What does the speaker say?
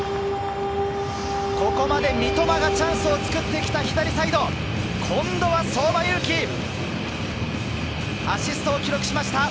ここまで三笘がチャンスを作ってきた左サイド、今度は相馬勇紀、アシストを記録しました。